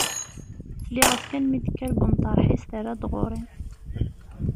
Sliɣ-as kan mi d-tekker seg umṭreḥ-is terra-d ɣur-i.